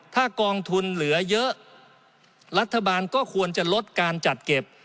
ถ้ากองทุนเหลือเยอะรัฐบาลก็ควรจะลดการจัดเก็บ